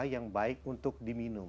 yang baik untuk diminum